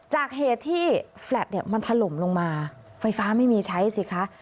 จากเหตุที่แฟลตเนี่ยมันถล่มลงมาไฟฟ้าไม่มีใช้สิคะ